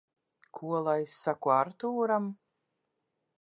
Ko lai saku Artūram?